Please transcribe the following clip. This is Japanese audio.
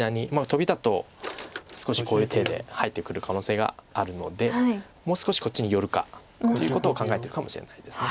トビだと少しこういう手で入ってくる可能性があるのでもう少しこっちに寄るかっていうことを考えてるかもしれないです。